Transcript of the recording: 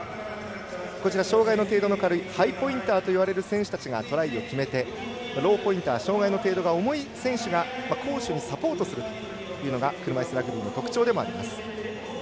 障がいの程度の軽いハイポインターという選手たちがトライを決めてローポインター障がいの程度が重い選手が攻守にサポートするというのが車いすラグビーの特徴でもあります。